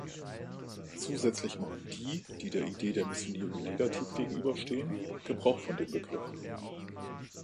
Zusätzlich machen die, die der Idee der Missionierung negativ gegenüber stehen, Gebrauch von dem Begriff.